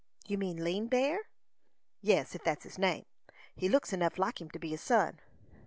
"You mean Lean Bear." "Yes, if that's his name. He looks enough like him to be his son.